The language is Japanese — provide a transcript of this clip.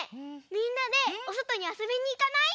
みんなでおそとにあそびにいかない？